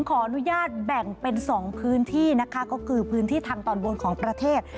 ขออนุญาตแบ่งเป็น๒พื้นที่นะคะก็คือพื้นที่ทางตอนบนของประเทศ